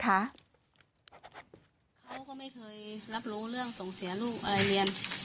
เขาก็ไม่เคยรับรู้เรื่องส่งเสียลูกอะไรเรียน